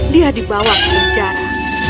dia dibawa ke penjara